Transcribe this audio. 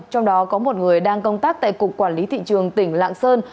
trong đó có một người đang công tác tại cục quản lý thị trường tỉnh lạng sơn